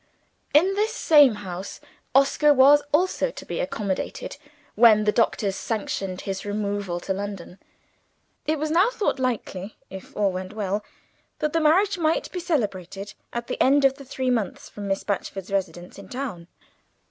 In this same house, Oscar was also to be accommodated, when the doctors sanctioned his removal to London. It was now thought likely if all went well that the marriage might be celebrated at the end of the three months, from Miss Batchford's residence in town.